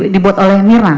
dibuat oleh mirna